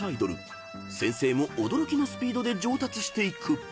［先生も驚きのスピードで上達していく］